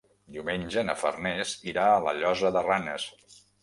Diumenge na Farners irà a la Llosa de Ranes.